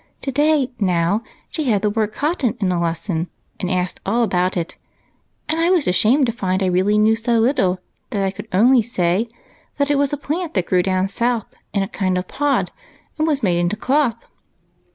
To day, now, she had the word ' cotton ' in a lesson and asked all about it, and I was ashamed to find I really knew so little that I could only say that it was a plant that grew down South in a kind of a pod, and was made into cloth.